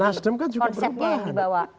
nasdem kan juga perubahan